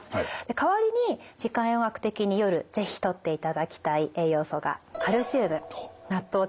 代わりに時間栄養学的に夜是非とっていただきたい栄養素がカルシウムナットウキナーゼＧＡＢＡですね。